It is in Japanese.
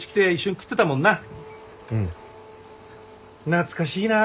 懐かしいな。